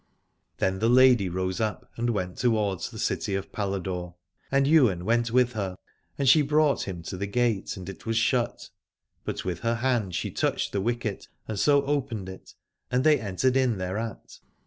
Then the lady rose up and went towards the city of Paladore : and Ywain went with her, and she brought him to the gate and it was shut. But with her hand she touched the wicket and so opened it, and they entered in thereat.